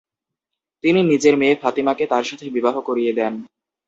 তিনি নিজের মেয়ে ফাতিমাকে তার সাথে বিবাহ করিয়ে দেন।